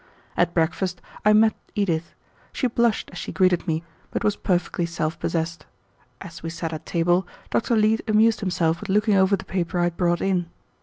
At breakfast I met Edith. She blushed as she greeted me, but was perfectly self possessed. As we sat at table, Dr. Leete amused himself with looking over the paper I had brought in.